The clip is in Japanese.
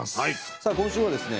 さあ今週はですね